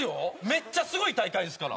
めっちゃすごい大会ですから。